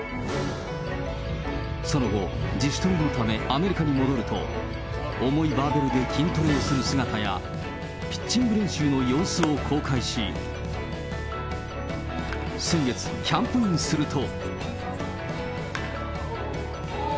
その後、自主トレのためアメリカに戻ると、重いバーベルで筋トレをする姿や、ピッチング練習の様子を公開し、先月、キャンプインすると。